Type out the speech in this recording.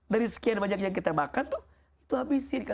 dari sekian banyak yang kita makan tuh habisin